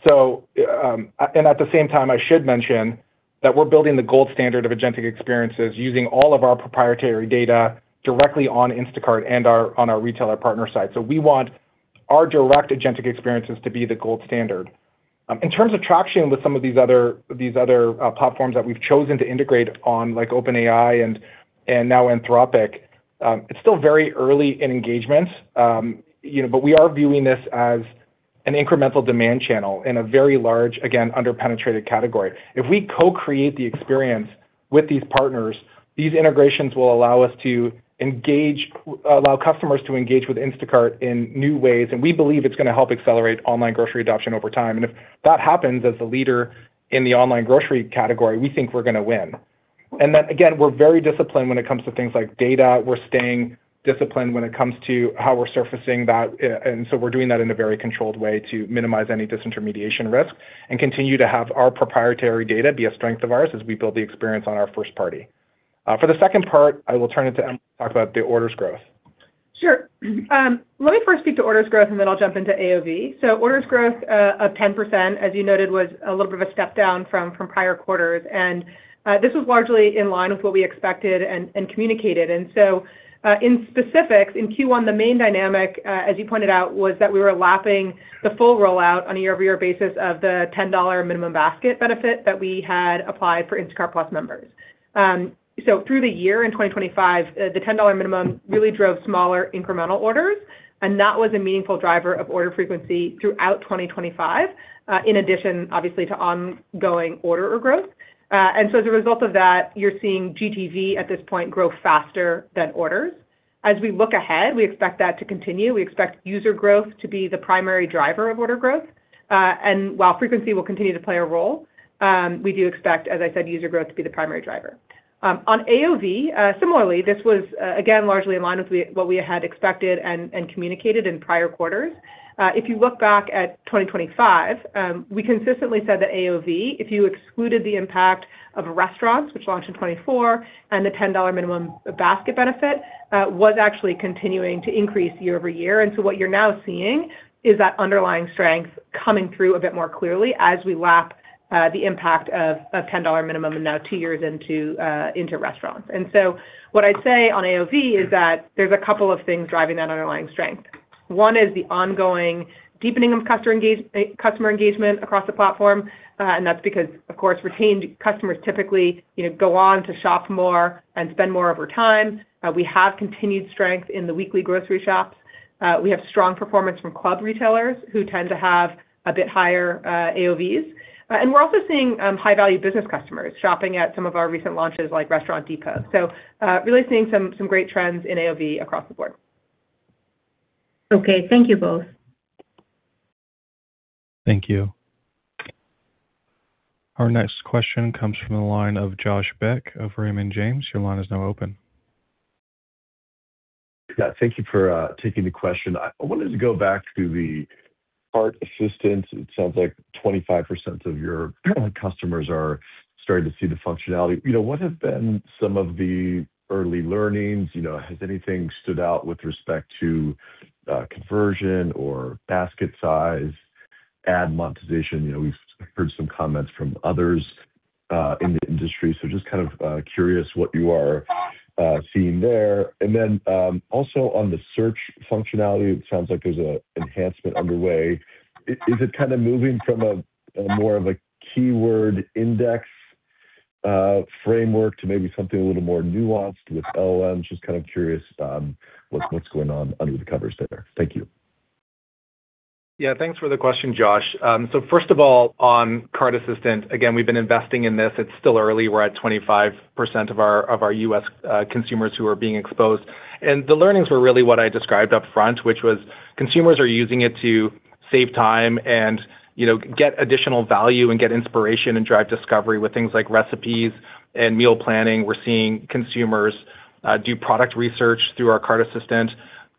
And at the same time, I should mention that we're building the gold standard of agentic experiences using all of our proprietary data directly on Instacart and our retailer partner side. So we want our direct agentic experiences to be the gold standard. In terms of traction with some of these other platforms that we've chosen to integrate on, like OpenAI and now Anthropic, it's still very early in engagement. You know, we are viewing this as an incremental demand channel in a very large, again, under-penetrated category. If we co-create the experience with these partners, these integrations will allow us to allow customers to engage with Instacart in new ways, we believe it's going to help accelerate online grocery adoption over time. If that happens as a leader in the online grocery category, we think we're going to win. Again, we're very disciplined when it comes to things like data. We're staying disciplined when it comes to how we're surfacing that. And so we're doing that in a very controlled way to minimize any disintermediation risk and continue to have our proprietary data be a strength of ours as we build the experience on our first party. For the second part, I will turn it to Emily to talk about the orders growth. Sure. Let me first speak to orders growth, and then I'll jump into AOV. So orders growth of 10%, as you noted, was a little bit of a step down from prior quarters, and this was largely in line with what we expected and communicated. And so, in specifics, in Q1, the main dynamic, as you pointed out, was that we were lapping the full rollout on a year-over-year basis of the $10 minimum basket benefit that we had applied for Instacart+ members. Through the year in 2025, the $10 minimum really drove smaller incremental orders, and that was a meaningful driver of order frequency throughout 2025, in addition, obviously, to ongoing order growth. As a result of that, you're seeing GTV at this point grow faster than orders. As we look ahead, we expect that to continue. We expect user growth to be the primary driver of order growth. While frequency will continue to play a role, we do expect, as I said, user growth to be the primary driver. On AOV, similarly, this was again, largely in line with what we had expected and communicated in prior quarters. If you look back at 2025, we consistently said that AOV, if you excluded the impact of restaurants, which launched in 2024, and the $10 minimum basket benefit, was actually continuing to increase year-over-year. What you're now seeing is that underlying strength coming through a bit more clearly as we lap the impact of $10 minimum and now two years into restaurants. What I'd say on AOV is that there's a couple of things driving that underlying strength. One is the ongoing deepening of customer engagement across the platform, and that's because, of course, retained customers typically, you know, go on to shop more and spend more over time. We have continued strength in the weekly grocery shops. We have strong performance from club retailers who tend to have a bit higher AOVs. We're also seeing high-value business customers shopping at some of our recent launches like Restaurant Depot. Really seeing some great trends in AOV across the board. Okay. Thank you both. Thank you. Our next question comes from the line of Josh Beck of Raymond James. Your line is now open. Thank you for taking the question. I wanted to go back to the Cart Assistant. It sounds like 25% of your customers are starting to see the functionality. You know, what have been some of the early learnings, you know, has anything stood out with respect to conversion or basket size, ad monetization? You know, we've heard some comments from others in the industry, just kind of curious what you are seeing there. Also on the search functionality, it sounds like there's a enhancement underway. Is it kind of moving from a more of a keyword index framework to maybe something a little more nuanced with LLMs? Just kind of curious what's going on under the covers there. Thank you. Yeah, thanks for the question, Josh. First of all, on Cart Assistant, again, we've been investing in this. It's still early. We're at 25% of our, of our U.S. consumers who are being exposed. The learnings were really what I described upfront, which was consumers are using it to save time and, you know, get additional value and get inspiration and drive discovery with things like recipes and meal planning. We're seeing consumers do product research through our Cart Assistant.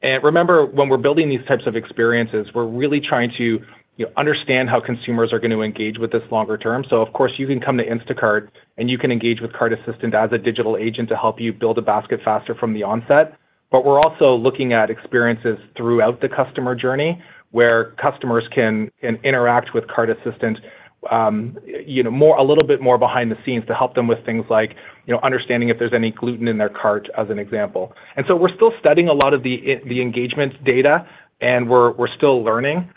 Remember, when we're building these types of experiences, we're really trying to, you know, understand how consumers are going to engage with this longer term. Of course, you can come to Instacart, and you can engage with Cart Assistant as a digital agent to help you build a basket faster from the onset. We're also looking at experiences throughout the customer journey where customers can interact with Cart Assistant, you know, a little bit more behind the scenes to help them with things like, you know, understanding if there's any gluten in their cart, as an example. We're still studying a lot of the engagement data, and we're still learning.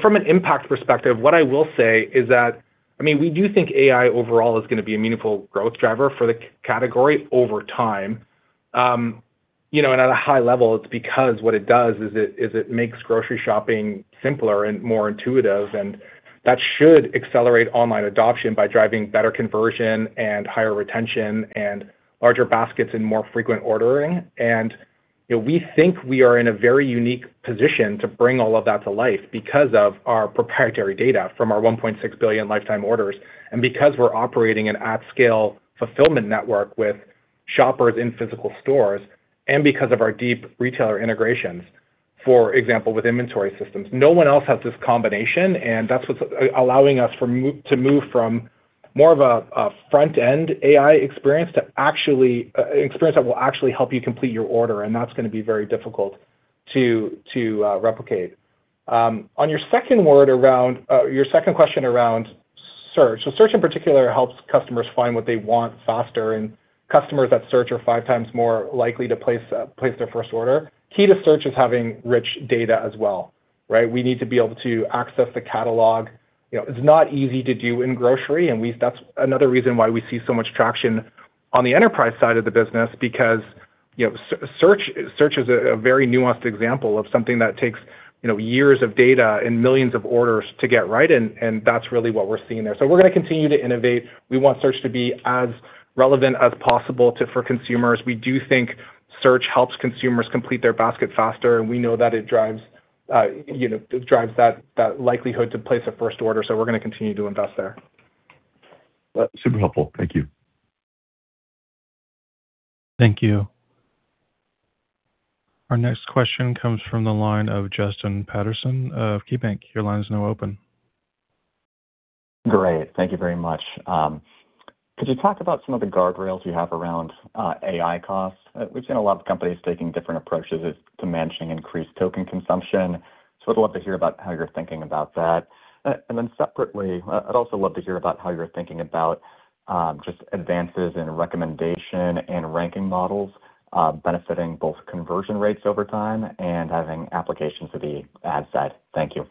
From an impact perspective, what I will say is that, I mean, we do think AI overall is gonna be a meaningful growth driver for the category over time. You know, at a high level, it's because what it does is it makes grocery shopping simpler and more intuitive, and that should accelerate online adoption by driving better conversion and higher retention and larger baskets and more frequent ordering. You know, we think we are in a very unique position to bring all of that to life because of our proprietary data from our 1.6 billion lifetime orders, and because we're operating an at-scale fulfillment network with shoppers in physical stores, and because of our deep retailer integrations. For example, with inventory systems. No one else has this combination, and that's what's allowing us to move from more of a front-end AI experience to experience that will actually help you complete your order, and that's gonna be very difficult to replicate. On your second question around search. Search, in particular, helps customers find what they want faster, and customers that search are 5x more likely to place their first order. Key to search is having rich data as well, right? We need to be able to access the catalog. You know, it's not easy to do in grocery, and that's another reason why we see so much traction on the enterprise side of the business because, you know, search is a very nuanced example of something that takes, you know, years of data and millions of orders to get right and that's really what we're seeing there. We're gonna continue to innovate. We want search to be as relevant as possible for consumers. We do think search helps consumers complete their basket faster, and we know that it drives, you know, it drives that likelihood to place a first order. We're gonna continue to invest there. That's super helpful. Thank you. Thank you. Our next question comes from the line of Justin Patterson of KeyBanc. Your line is now open. Great. Thank you very much. Could you talk about some of the guardrails you have around AI costs? We've seen a lot of companies taking different approaches to managing increased token consumption, so I'd love to hear about how you're thinking about that. And then separately, I'd also love to hear about how you're thinking about just advances in recommendation and ranking models, benefiting both conversion rates over time and having applications for the ad side. Thank you.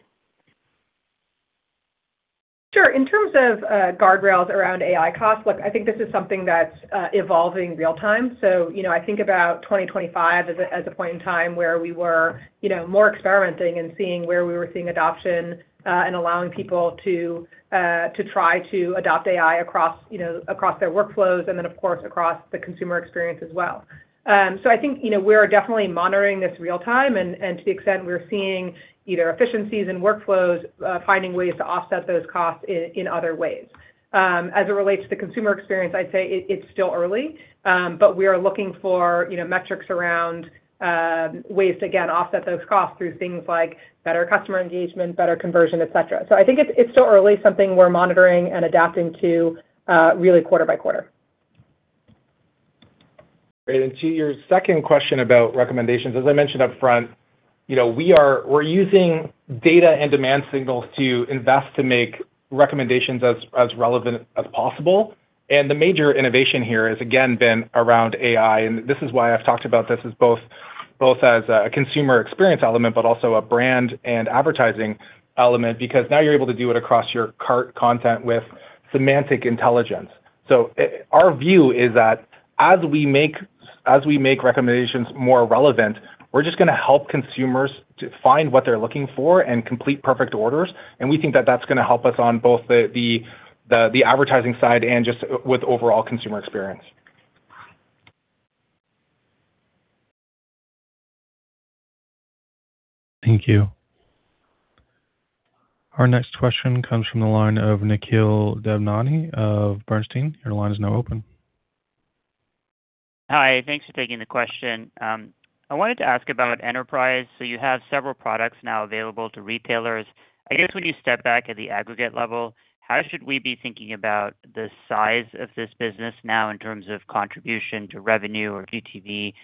Sure. In terms of guardrails around AI costs, look, I think this is something that's evolving real-time. You know, I think about 2025 as a point in time where we were, you know, more experimenting and seeing where we were seeing adoption and allowing people to try to adopt AI across, you know, across their workflows and then of course, across the consumer experience as well. I think, you know, we're definitely monitoring this real time and to the extent we're seeing either efficiencies in workflows, finding ways to offset those costs in other ways. As it relates to consumer experience, I'd say it's still early, but we are looking for, you know, metrics around ways to again offset those costs through things like better customer engagement, better conversion, et cetera. I think it's still early, something we're monitoring and adapting to, really quarter by quarter. Great. To your second question about recommendations, as I mentioned upfront, you know, we're using data and demand signals to invest to make recommendations as relevant as possible. The major innovation here has again been around AI, and this is why I've talked about this as both as a consumer experience element, but also a brand and advertising element because now you're able to do it across your cart content with semantic intelligence. Our view is that as we make recommendations more relevant, we're just going to help consumers to find what they're looking for and complete perfect orders. We think that that's going to help us on both the advertising side and just with overall consumer experience. Thank you. Our next question comes from the line of Nikhil Devnani of Bernstein. Your line is now open. Hi. Thanks for taking the question. I wanted to ask about enterprise. You have several products now available to retailers. I guess when you step back at the aggregate level, how should we be thinking about the size of this business now in terms of contribution to revenue or GTV?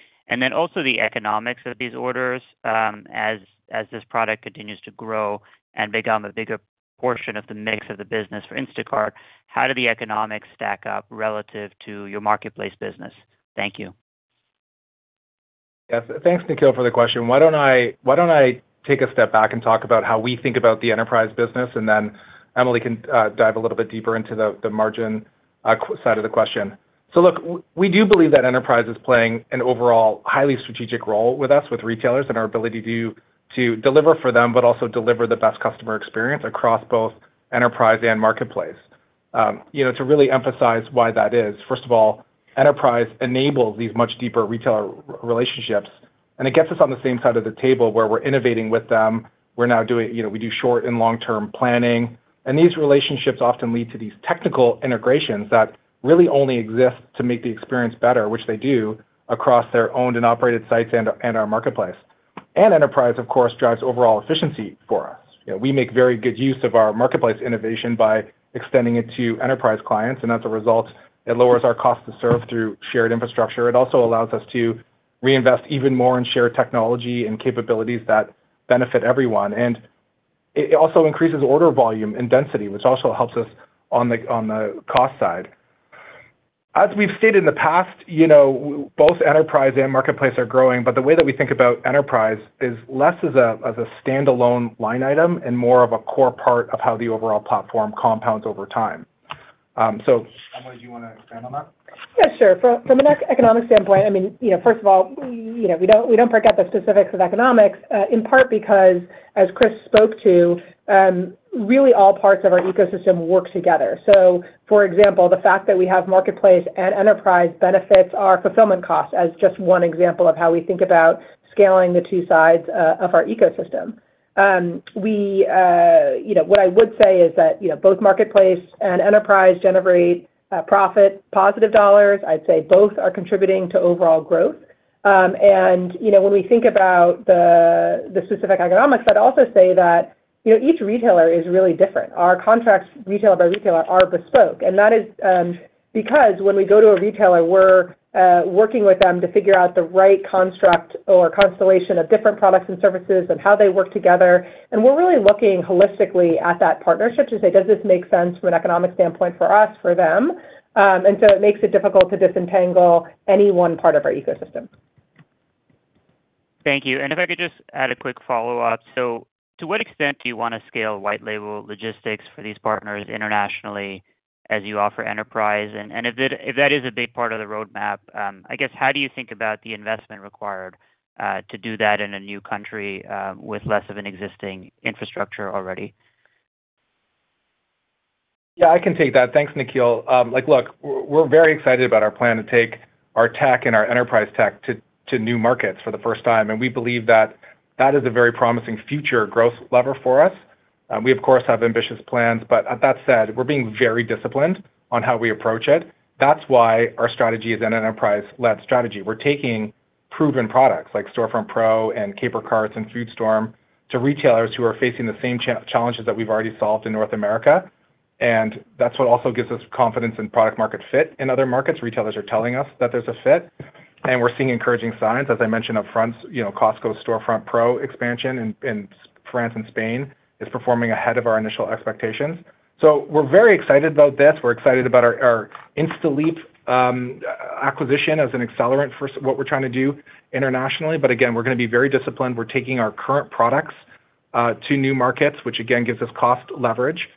Also the economics of these orders, as this product continues to grow and become a bigger portion of the mix of the business for Instacart, how do the economics stack up relative to your marketplace business? Thank you. Yes. Thanks, Nikhil, for the question. Why don't I take a step back and talk about how we think about the enterprise business, and then Emily can dive a little bit deeper into the margin side of the question. Look, we do believe that enterprise is playing an overall highly strategic role with us, with retailers and our ability to deliver for them, but also deliver the best customer experience across both enterprise and marketplace. You know, to really emphasize why that is, first of all, enterprise enables these much deeper retailer relationships, and it gets us on the same side of the table where we're innovating with them. We're now you know, we do short and long-term planning, and these relationships often lead to these technical integrations that really only exist to make the experience better, which they do across their owned and operated sites and our marketplace. Enterprise, of course, drives overall efficiency for us. We make very good use of our marketplace innovation by extending it to enterprise clients, and as a result, it lowers our cost to serve through shared infrastructure. It also allows us to reinvest even more in shared technology and capabilities that benefit everyone. It also increases order volume and density, which also helps us on the cost side. As we've stated in the past, you know, both enterprise and marketplace are growing, but the way that we think about enterprise is less as a standalone line item and more of a core part of how the overall platform compounds over time. Emily, do you want to expand on that? Yeah, sure. From an economic standpoint, I mean, you know, first of all, you know, we don't break out the specifics of economics, in part because as Chris spoke to, really all parts of our ecosystem work together. So for example, the fact that we have marketplace and enterprise benefits our fulfillment costs as just one example of how we think about scaling the two sides of our ecosystem. We, you know, what I would say is that, you know, both marketplace and enterprise generate profit positive dollars. I'd say both are contributing to overall growth. You know, when we think about the specific economics, I'd also say that, you know, each retailer is really different. Our contracts, retailer by retailer, are bespoke. And that is because when we go to a retailer, we're working with them to figure out the right construct or constellation of different products and services and how they work together. We're really looking holistically at that partnership to say, does this make sense from an economic standpoint for us, for them? It makes it difficult to disentangle any one part of our ecosystem. Thank you. If I could just add a quick follow-up. To what extent do you want to scale white label logistics for these partners internationally as you offer enterprise? If that is a big part of the roadmap, I guess, how do you think about the investment required to do that in a new country with less of an existing infrastructure already? Yeah, I can take that. Thanks, Nikhil. Like, look, we're very excited about our plan to take our tech and our enterprise tech to new markets for the first time. And we believe that that is a very promising future growth lever for us. We, of course, have ambitious plans. That said, we're being very disciplined on how we approach it. That's why our strategy is an enterprise-led strategy. We're taking proven products like Storefront Pro and Caper Carts and FoodStorm to retailers who are facing the same challenges that we've already solved in North America. And that's what also gives us confidence in product market fit in other markets. Retailers are telling us that there's a fit. We're seeing encouraging signs. As I mentioned upfront, you know, Costco's Storefront Pro expansion in France and Spain is performing ahead of our initial expectations. We're very excited about this. We're excited about our Instaleap acquisition as an accelerant for what we're trying to do internationally. Again, we're going to be very disciplined. We're taking our current products to new markets, which again, gives us cost leverage.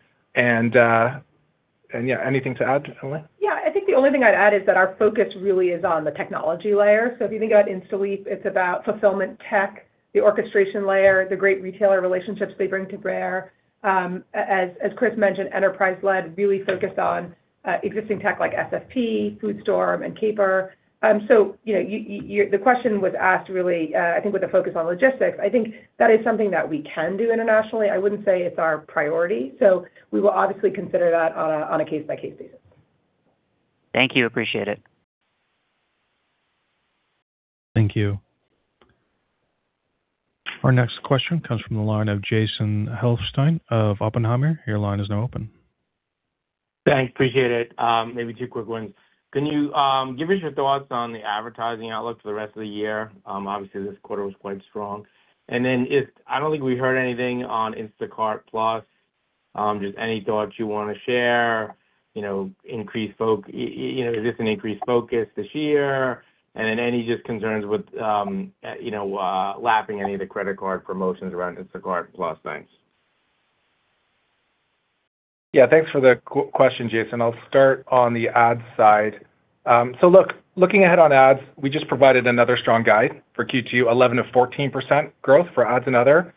Yeah, anything to add, Emily? I think the only thing I'd add is that our focus really is on the technology layer. If you think about Instaleap, it's about fulfillment tech, the orchestration layer, the great retailer relationships they bring to Bear. As Chris mentioned, enterprise-led, really focused on existing tech like SFP, FoodStorm and Caper. You know, the question was asked, really, I think with a focus on logistics. I think that is something that we can do internationally. I wouldn't say it's our priority. We will obviously consider that on a case-by-case basis. Thank you. Appreciate it. Thank you. Our next question comes from the line of Jason Helfstein of Oppenheimer. Your line is now open. Thanks, appreciate it. Maybe two quick ones. Can you give us your thoughts on the advertising outlook for the rest of the year? Obviously, this quarter was quite strong. I don't think we heard anything on Instacart+, just any thoughts you want to share, you know, is this an increased focus this year? Any just concerns with, you know, lapping any of the credit card promotions around Instacart+. Thanks. Yeah, thanks for the question, Jason. I'll start on the ads side. Look, looking ahead on ads, we just provided another strong guide for Q2, 11%-14% growth for ads and other.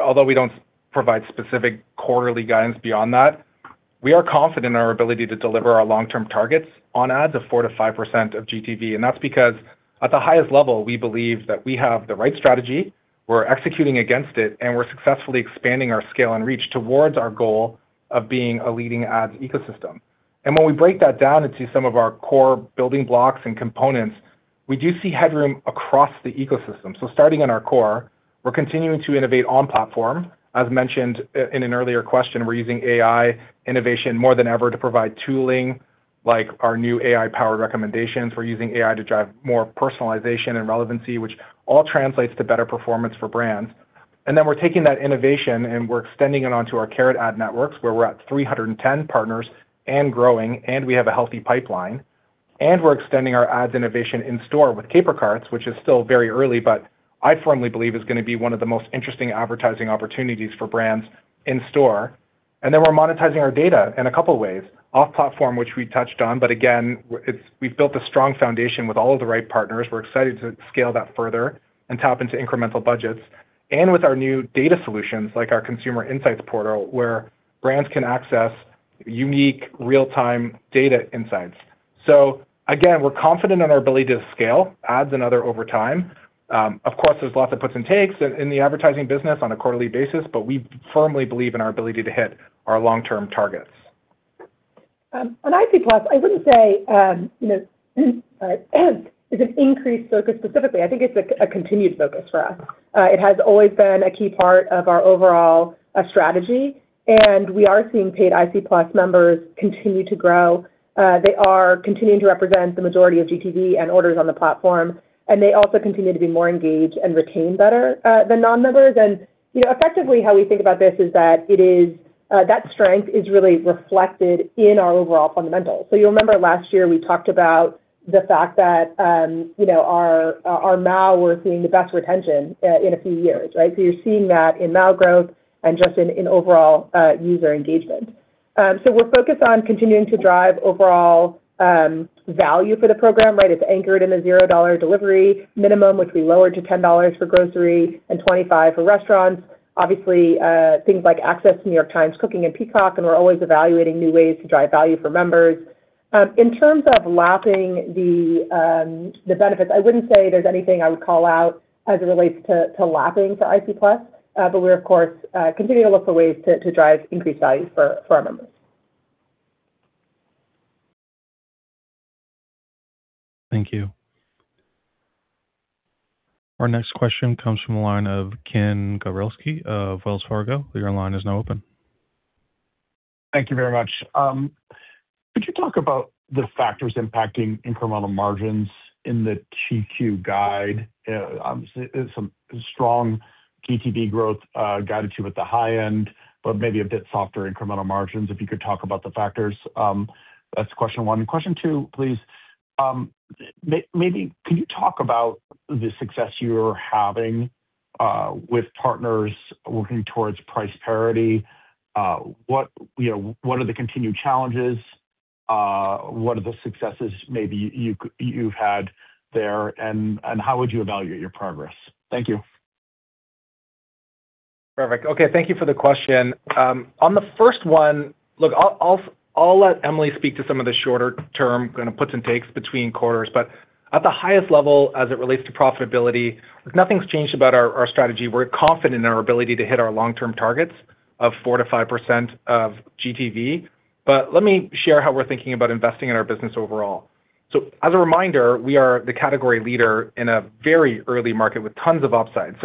Although we don't provide specific quarterly guidance beyond that, we are confident in our ability to deliver our long-term targets on ads of 4%-5% of GTV. That's because at the highest level, we believe that we have the right strategy, we're executing against it, and we're successfully expanding our scale and reach towards our goal of being a leading ad ecosystem. When we break that down into some of our core building blocks and components, we do see headroom across the ecosystem. Starting in our core, we're continuing to innovate on platform. As mentioned in an earlier question, we're using AI innovation more than ever to provide tooling like our new AI-powered recommendations. We're using AI to drive more personalization and relevancy, which all translates to better performance for brands. We're taking that innovation, and we're extending it onto our Carrot Ad networks, where we're at 310 partners and growing, and we have a healthy pipeline. We're extending our ads innovation in store with Caper Carts, which is still very early, but I firmly believe is gonna be one of the most interesting advertising opportunities for brands in store. We're monetizing our data in a couple of ways, off platform, which we touched on. But again, it's we've built a strong foundation with all of the right partners. We're excited to scale that further and tap into incremental budgets. With our new data solutions, like our Consumer Insights Portal, where brands can access unique real-time data insights. Again, we're confident in our ability to scale ads and other over time. Of course, there's lots of puts and takes in the advertising business on a quarterly basis, but we firmly believe in our ability to hit our long-term targets. On IC Plus, I wouldn't say, you know, it's an increased focus specifically. I think it's a continued focus for us. It has always been a key part of our overall strategy, and we are seeing paid IC Plus members continue to grow. They are continuing to represent the majority of GTV and orders on the platform, and they also continue to be more engaged and retain better than non-members. You know, effectively, how we think about this is that it is that strength is really reflected in our overall fundamentals. You'll remember last year, we talked about the fact that, you know, our MAU, we're seeing the best retention in a few years, right? You're seeing that in MAU growth and just in overall user engagement. We're focused on continuing to drive overall, value for the program, right? It's anchored in the zero dollar delivery minimum, which we lowered to $10 for grocery and $25 for restaurants. Obviously, things like access to New York Times Cooking and Peacock, and we're always evaluating new ways to drive value for members. In terms of lapping the benefits, I wouldn't say there's anything I would call out as it relates to lapping to IC Plus. We're, of course, continuing to look for ways to drive increased value for our members. Thank you. Our next question comes from the line of Ken Gawrelski of Wells Fargo. Your line is now open. Thank you very much. Could you talk about the factors impacting incremental margins in the 2Q guide? Obviously, some strong GTV growth, guided you at the high end, but maybe a bit softer incremental margins, if you could talk about the factors. That's question one. Question two, please. Maybe can you talk about the success you are having with partners working towards price parity? What, you know, what are the continued challenges? What are the successes maybe you've had there, and how would you evaluate your progress? Thank you. Perfect. Okay, thank you for the question. On the first one, look, I'll let Emily speak to some of the shorter-term kind of puts and takes between quarters. At the highest level, as it relates to profitability, nothing's changed about our strategy. We're confident in our ability to hit our long-term targets of 4%-5% of GTV. Let me share how we're thinking about investing in our business overall. As a reminder, we are the category leader in a very early market with tons of upside.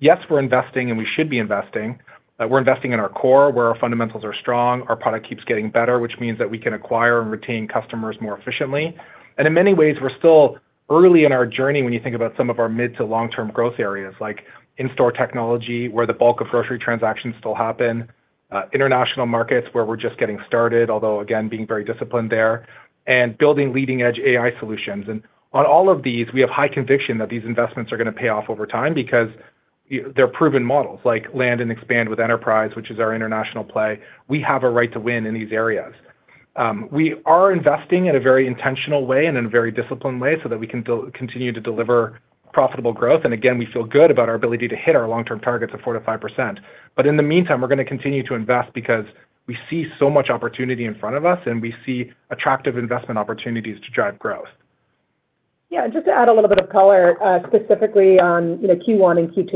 Yes, we're investing, and we should be investing. We're investing in our core, where our fundamentals are strong. Our product keeps getting better, which means that we can acquire and retain customers more efficiently. In many ways, we're still early in our journey when you think about some of our mid to long-term growth areas, like in-store technology, where the bulk of grocery transactions still happen, international markets where we're just getting started, although again, being very disciplined there, and building leading-edge AI Solutions. On all of these, we have high conviction that these investments are gonna pay off over time because they're proven models like land and expand with enterprise, which is our international play. We have a right to win in these areas. We are investing in a very intentional way and in a very disciplined way so that we can continue to deliver profitable growth. Again, we feel good about our ability to hit our long-term targets of 4%-5%. In the meantime, we're gonna continue to invest because we see so much opportunity in front of us, and we see attractive investment opportunities to drive growth. Just to add a little bit of color, specifically on, you know, Q1 and Q2.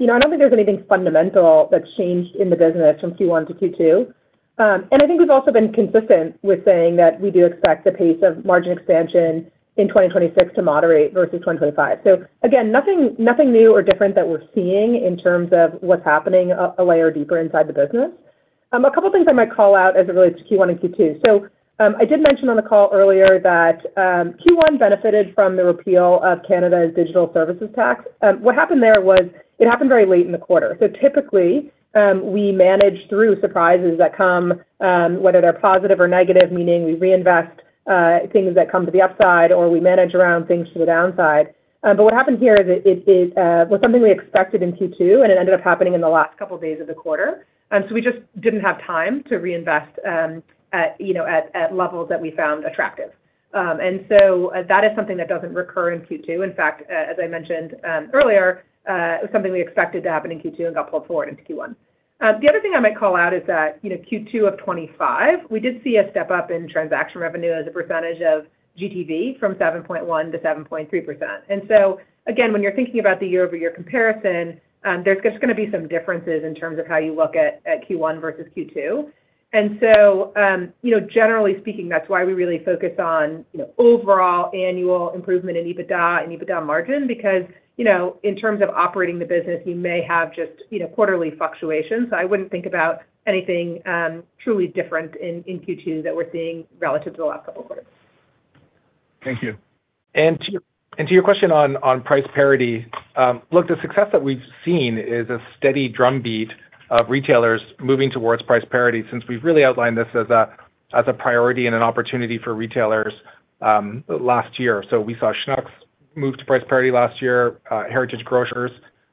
You know, I don't think there's anything fundamental that's changed in the business from Q1 to Q2. I think we've also been consistent with saying that we do expect the pace of margin expansion in 2026 to moderate versus 2025. Again, nothing new or different that we're seeing in terms of what's happening a layer deeper inside the business. A couple of things I might call out as it relates to Q1 and Q2. I did mention on the call earlier that Q1 benefited from the repeal of Canada's Digital Services Tax. What happened there was it happened very late in the quarter. Typically, we manage through surprises that come, whether they're positive or negative, meaning we reinvest things that come to the upside or we manage around things to the downside. What happened here is it was something we expected in Q2, and it ended up happening in the last couple of days of the quarter. We just didn't have time to reinvest at levels that we found attractive. And so that is something that doesn't recur in Q2. In fact, as I mentioned earlier, it was something we expected to happen in Q2 and got pulled forward into Q1. The other thing I might call out is that, you know, Q2 of 2025, we did see a step-up in transaction revenue as a percentage of GTV from 7.1%-7.3%. Again, when you're thinking about the year-over-year comparison, there's just gonna be some differences in terms of how you look at Q1 versus Q2. Generally speaking, that's why we really focus on, you know, overall annual improvement in EBITDA and EBITDA margin because, you know, in terms of operating the business, you may have just, you know, quarterly fluctuations. I wouldn't think about anything, truly different in Q2 that we're seeing relative to the last couple of quarters. Thank you. To your question on price parity, look, the success that we've seen is a steady drumbeat of retailers moving towards price parity since we've really outlined this as a priority and an opportunity for retailers last year. We saw Schnucks move to price parity last year, Heritage Grocers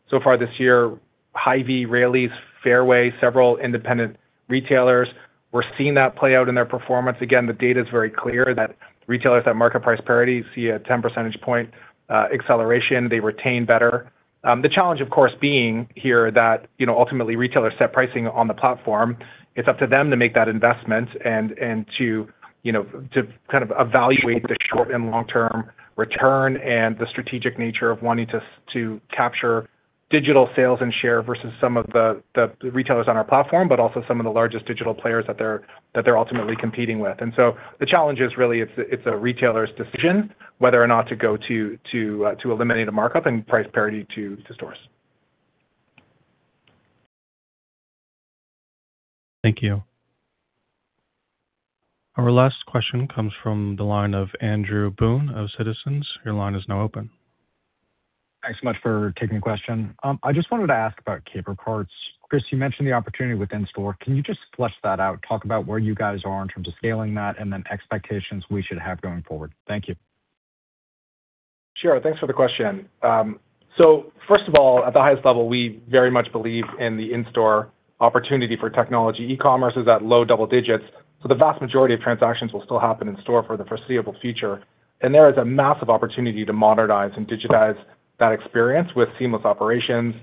so far this year, Hy-Vee, Raley's, Fareway, several independent retailers. We're seeing that play out in their performance. The data is very clear that retailers at market price parity see a 10 percentage point acceleration. They retain better. The challenge, of course, being here that, you know, ultimately, retailers set pricing on the platform. It's up to them to make that investment and to, you know, to kind of evaluate the short and long-term return and the strategic nature of wanting to capture digital sales and share versus some of the retailers on our platform, but also some of the largest digital players that they're ultimately competing with. The challenge is really it's a retailer's decision whether or not to go to eliminate a markup and price parity to stores. Thank you. Our last question comes from the line of Andrew Boone of Citizens. Your line is now open. Thanks so much for taking the question. I just wanted to ask about Caper Carts. Chris, you mentioned the opportunity with in-store. Can you just flesh that out, talk about where you guys are in terms of scaling that and then expectations we should have going forward? Thank you. Sure. Thanks for the question. First of all, at the highest level, we very much believe in the in-store opportunity for technology. E-commerce is at low double digits, so the vast majority of transactions will still happen in store for the foreseeable future. There is a massive opportunity to modernize and digitize that experience with seamless operations,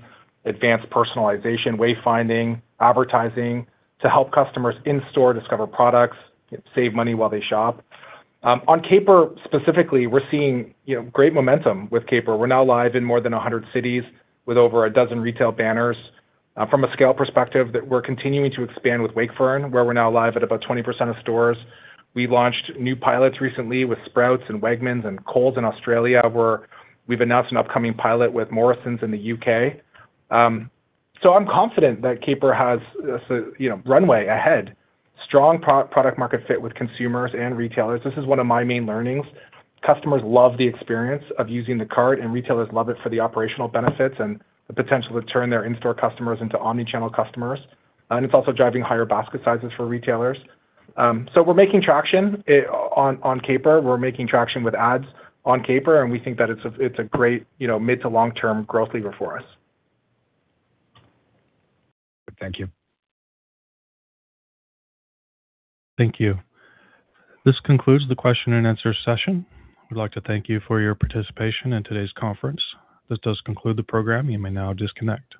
advanced personalization, wayfinding, advertising to help customers in-store discover products, save money while they shop. On Caper specifically, we're seeing, you know, great momentum with Caper. We're now live in more than 100 cities with over 12 retail banners. From a scale perspective that we're continuing to expand with Wakefern, where we're now live at about 20% of stores. We've launched new pilots recently with Sprouts and Wegmans and Coles in Australia, where we've announced an upcoming pilot with Morrisons in the U.K. I'm confident that Caper has a, you know, runway ahead. Strong pro-product market fit with consumers and retailers. This is one of my main learnings. Customers love the experience of using the card, and retailers love it for the operational benefits and the potential to turn their in-store customers into omnichannel customers. It's also driving higher basket sizes for retailers. We're making traction on Caper. We're making traction with ads on Caper, and we think that it's a great, you know, mid to long-term growth lever for us. Thank you. Thank you. This concludes the question and answer session. We'd like to thank you for your participation in today's conference. This does conclude the program. You may now disconnect.